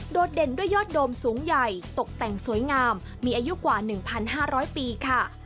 เด่นด้วยยอดโดมสูงใหญ่ตกแต่งสวยงามมีอายุกว่า๑๕๐๐ปีค่ะ